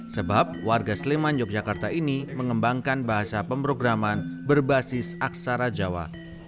sebab warga sleman yogyakarta ini mengembangkan bahasa pemrograman berbasis aksara jawa